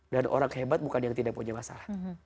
dan orang hebat bukan yang tidak punya masalah